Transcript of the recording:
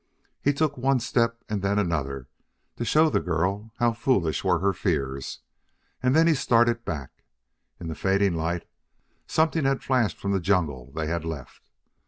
He took one step, and then another, to show the girl how foolish were her fears; then he started back. In the fading light something had flashed from the jungle they had left.